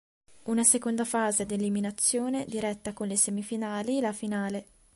Una seconda fase ad eliminazione diretta con le "semifinali" e la "Finale".